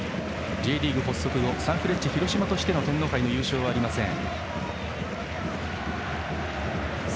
Ｊリーグ発足後サンフレッチェ広島としての天皇杯の優勝はありません。